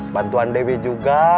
bantuan dewi juga